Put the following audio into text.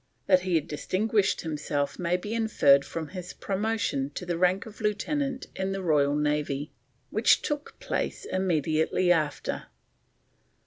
That he had distinguished himself may be inferred from his promotion to the rank of lieutenant in the Royal Navy, which took place immediately after."